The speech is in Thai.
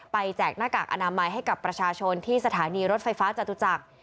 แจกหน้ากากอนามัยให้กับประชาชนที่สถานีรถไฟฟ้าจตุจักร